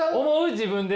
自分で。